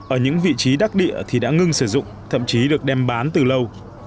ở những vị trí đắc địa thì đã ngưng sử dụng thậm chí được đem bán từ lâu